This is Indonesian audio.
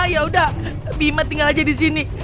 ya udah bima tinggal aja di sini